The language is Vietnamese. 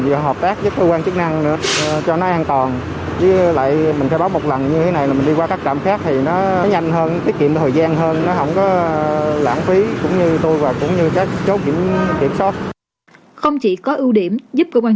không chỉ có ưu điểm giúp cơ quan chức năng